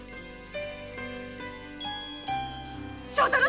正太郎